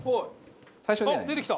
あっ出てきた！